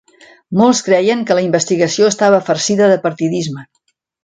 Molts creien que la investigació estava farcida de partidisme.